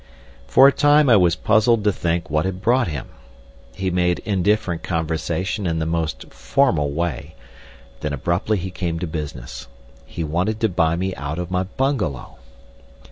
For a time I was puzzled to think what had brought him. He made indifferent conversation in the most formal way, then abruptly he came to business. He wanted to buy me out of my bungalow.